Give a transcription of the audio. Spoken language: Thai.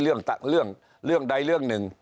เรื่องใดเรื่องหนึ่ง